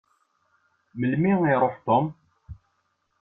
Melmi i iṛuḥ Tom?